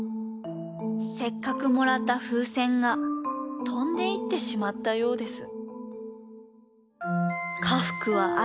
せっかくもらったふうせんがとんでいってしまったようです。